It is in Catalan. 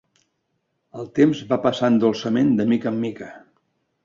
El temps va passant dolçament de mica en mica.